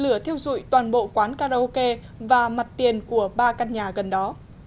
lửa thiêu dụi toàn bộ quán karaoke và mặt tiền của ba căn nhà gần đó